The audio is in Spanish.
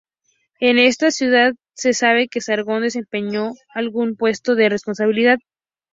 En esta ciudad se sabe que Sargón desempeñó algún puesto de responsabilidad.